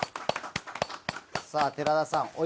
さあ寺田さん